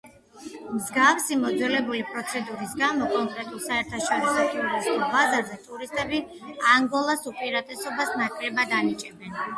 მსგავსი მოძველებული პროცედურის გამო კონკურენტულ საერთაშორისო ტურისტულ ბაზარზე ტურისტები ანგოლას უპირატესობას ნაკლებად ანიჭებენ.